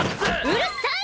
うるさい！